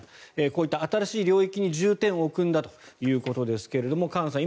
こうした新しい領域に重点を置くんだということですが河野さん